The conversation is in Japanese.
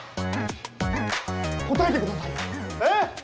答えてくださいよえっ？